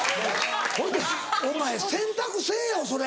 ほいでお前洗濯せぇよそれ。